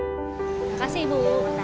terima kasih ibu